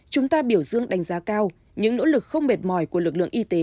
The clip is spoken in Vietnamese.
chúng ta biểu dương đánh giá cao những nỗ lực không mệt mỏi của lực lượng y tế